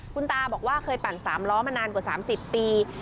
คุณตาบอกว่าเคยปั่น๓ล้อมานานกว่า๓๐ปี